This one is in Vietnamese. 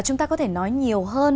chúng ta có thể nói nhiều hơn